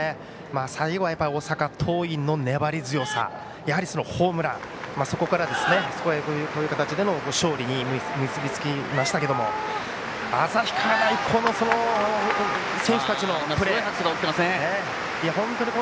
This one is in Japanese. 最後は大阪桐蔭の粘り強さやはりホームランそこから、こういう形での勝利に結びつきましたけども旭川大高の選手たちのプレーも。